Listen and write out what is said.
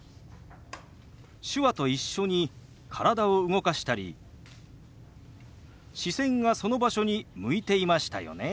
手話と一緒に体を動かしたり視線がその場所に向いていましたよね。